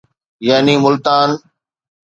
يعني ملتان